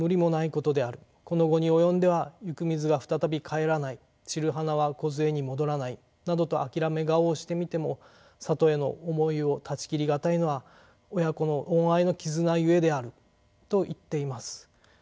この期に及んでは行く水が再び帰らない散る花は梢にもどらないなどと諦め顔をしてみてもさとへの思いを断ち切り難いのは親子の恩愛の絆ゆえである」と言っています。